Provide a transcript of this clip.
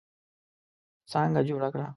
څانګه جوړه کړه.